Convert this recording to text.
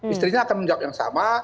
istrinya akan menjawab yang sama